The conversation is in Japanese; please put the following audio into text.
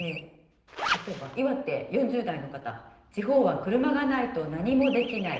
例えば岩手４０代の方、地方は車がないと何もできない。